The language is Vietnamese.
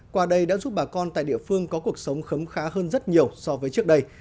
qua đây đã giúp bà con tại địa phương có cuộc sống khấm khá hơn rất nhiều so với trước đây